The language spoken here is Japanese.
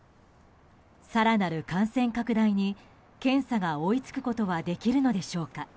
更なる感染拡大に検査が追いつくことはできるのでしょうか。